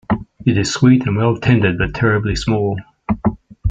It is sweet and well tendered but terribly small.